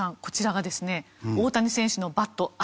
こちらがですね大谷選手のバット。